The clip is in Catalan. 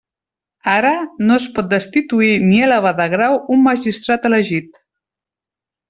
Ara, no es pot destituir ni elevar de grau un magistrat elegit.